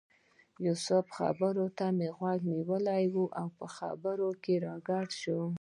د یوسف خبرو ته یې غوږ نیولی و او په خبرو کې راګډ شو.